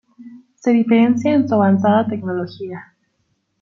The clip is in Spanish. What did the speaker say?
Se diferencia en su avanzada tecnología.